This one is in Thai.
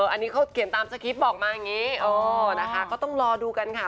อันนี้เขาเขียนตามสคริปต์บอกมาอย่างนี้เออนะคะก็ต้องรอดูกันค่ะ